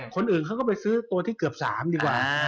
คนอื่นเขาก็ไปซื้อตัวที่เกือบ๓ดีกว่า